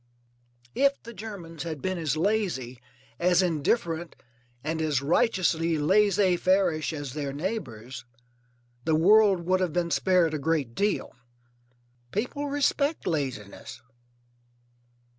If the Germans had been as lazy, as indifferent, and as righteously laissez fairish as their neighbours, the world would have been spared a great deal. People respect laziness.